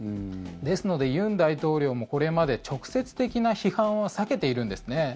ですので尹大統領もこれまで直接的な批判は避けているんですね。